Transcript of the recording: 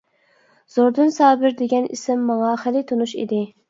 زوردۇن سابىر دېگەن ئىسىم ماڭا خېلى تونۇش ئىدى.